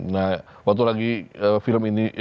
nah waktu lagi film ini